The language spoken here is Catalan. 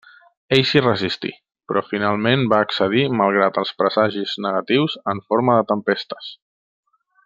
Ell s'hi resistí però finalment va accedir malgrat els presagis negatius en forma de tempestes.